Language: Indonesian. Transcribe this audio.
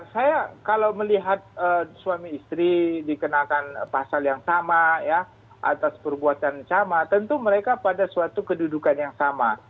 saya kalau melihat suami istri dikenakan pasal yang sama ya atas perbuatan sama tentu mereka pada suatu kedudukan yang sama